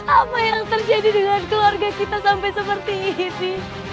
apa yang terjadi dengan keluarga kita sampai seperti ini sih